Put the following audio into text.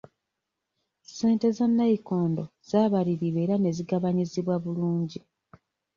Ssente za nnayikondo zaabalirirwa era ne zigabanyizibwa bulungi.